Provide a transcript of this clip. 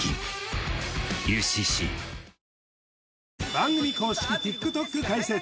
番組公式ＴｉｋＴｏｋ開設